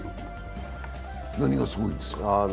何がすごいんですか？